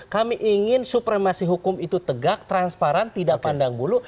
kami ingin supremasi hukum itu tegak transparan tidak pandang bulu